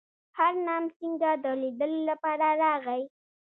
هرنام سینګه د لیدلو لپاره راغی.